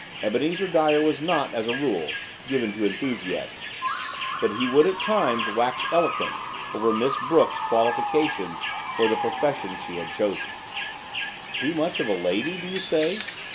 Ebenezer Dyer was not, as a rule, given to enthusiasm; but he would at times wax eloquent over Miss Brooke's qualifications for the profession she had chosen. "Too much of a lady, do you say?"